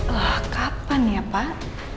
lah kapan ya pak